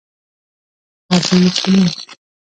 ابي فنون